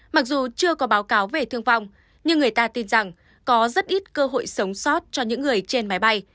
mặc dù chưa có báo cáo về thương vong nhưng người ta tin rằng có rất ít cơ hội sống sót cho những người trên máy bay